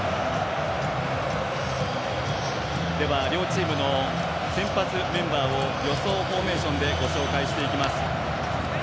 両チームの先発メンバーを予想フォーメーションでご紹介していきます。